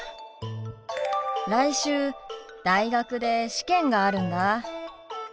来週大学で試験があるんだ。